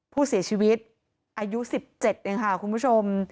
ผู้เสียชีวิตอายุ๑๗เองค่ะคุณผู้ชม